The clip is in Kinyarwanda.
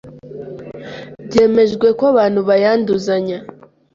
byemejwe ko abantu bayanduzanya